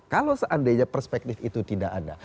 kalau seandainya perspektif itu tidak ada